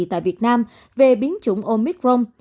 tại việt nam về biến chủng omicron